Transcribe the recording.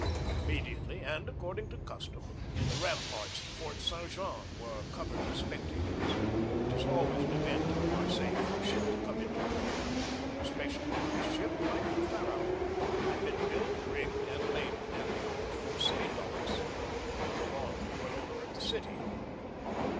Immediately, and according to custom, the ramparts of Fort Saint Jean were covered with spectators; it is always an event at Marseilles for a ship to come into port, especially when this ship, like the Pharaon, has been built, rigged, and laden at the old Phocee docks, and belongs to an owner of the city.